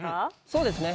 そうですね。